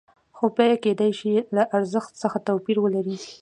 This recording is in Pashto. خو بیه کېدای شي له ارزښت څخه توپیر ولري